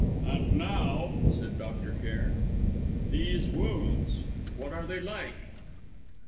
"And now," said Dr. Cairn "these wounds; what are they like?"